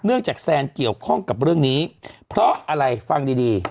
จากแซนเกี่ยวข้องกับเรื่องนี้เพราะอะไรฟังดีดี